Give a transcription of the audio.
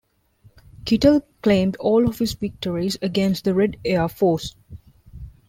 Kittel claimed all of his victories against the Red Air Force.